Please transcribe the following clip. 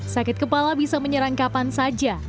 sakit kepala bisa menyerang kapan saja